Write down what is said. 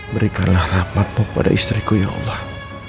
berikanlah rahmatmu pada istriku ya allah